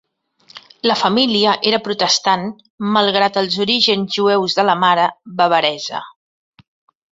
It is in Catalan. La família era protestant, malgrat els orígens jueus de la mare, bavaresa.